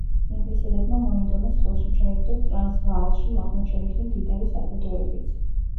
ინგლისელებმა მოინდომეს ხელში ჩაეგდოთ ტრანსვაალში აღმოჩენილი მდიდარი საბადოებიც.